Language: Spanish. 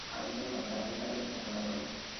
Habita en Costa Rica y El Salvador.